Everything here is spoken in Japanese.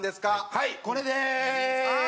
はいこれでーす。